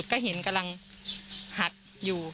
ก็เห็นกำลังหัดอยู่